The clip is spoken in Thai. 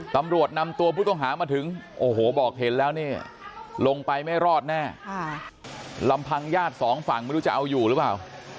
ตำรวจนำตัวผู้ต้องหามาถึงโอ้โหบอกเห็นแล้วนี่ลงไปไม่รอดแน่ลำพังญาติสองฝั่งไม่รู้จะเอาอยู่หรือเปล่า